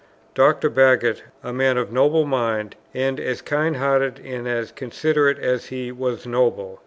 Dr. Bagot a man of noble mind, and as kind hearted and as considerate as he was noble.